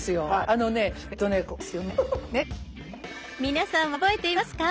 皆さんは覚えていますか？